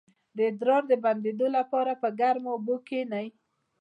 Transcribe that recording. د ادرار د بندیدو لپاره په ګرمو اوبو کینئ